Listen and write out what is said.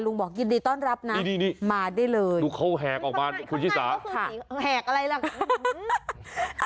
บอกยินดีต้อนรับนะมาได้เลยดูเขาแหกออกมาคุณชิสาแหกอะไรล่ะ